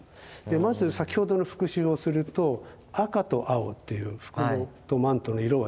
まず先ほどの復習をすると赤と青っていう服とマントの色はいいですよね。